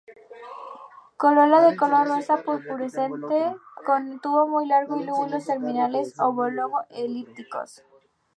Corola de color rosa-purpurescente, con tubo muy largo y lóbulos terminales oblongo-elípticos.